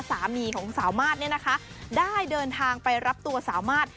สามีของสาวมาสเนี่ยนะคะได้เดินทางไปรับตัวสามารถ